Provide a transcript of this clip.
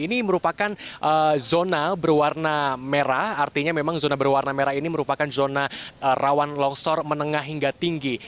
ini merupakan zona berwarna merah artinya memang zona berwarna merah ini merupakan zona rawan longsor menengah hingga tinggi